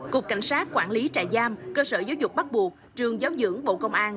cục cảnh sát quản lý trại giam cơ sở giáo dục bắt buộc trường giáo dưỡng bộ công an